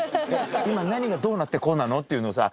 今何がどうなってこうなの？」っていうのをさ。